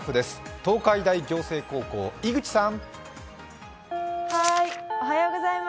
東海大仰星高校、井口さん。